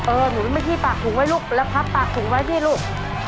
เออหนูไม่ที่ปากถุงไว้ลูกแล้วพักปากถุงไว้ที่ลูก